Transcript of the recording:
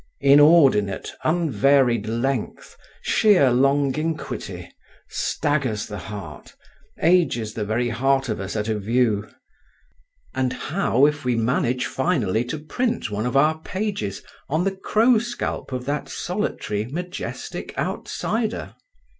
Inordinate unvaried length, sheer longinquity, staggers the heart, ages the very heart of us at a view. And how if we manage finally to print one of our pages on the crow scalp of that solitary majestic outsider?